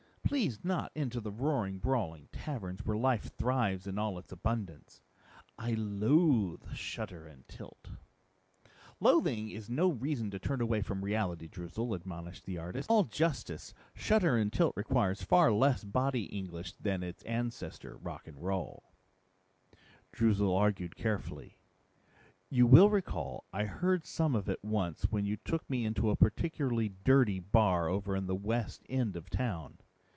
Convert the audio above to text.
Please not into the roaring, brawling taverns where life thrives in all its abundance. I loathe shudder and tilt." "Loathing is no reason to turn away from reality, Droozle," admonished the artist. "Things are not nearly so bad as they used to be anyway. In all justice, shudder and tilt requires far less body English than its ancestor, rock and roll." Droozle argued carefully, "You will recall I heard some of it once when you took me into a particularly dirty bar over in the west end of town.